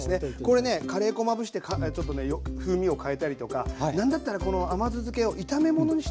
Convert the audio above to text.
これねカレー粉まぶしてちょっとね風味を変えたりとか何だったらこの甘酢漬けを炒め物にしてもいいっすからね。